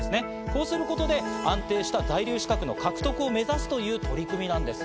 こうすることで安定した在留資格の獲得を目指すという取り組みなんです。